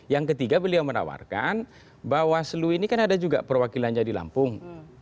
yang ketiga beliau menawarkan bawaslu ini kan ada juga perwakilannya di lampung